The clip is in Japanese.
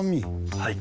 はい。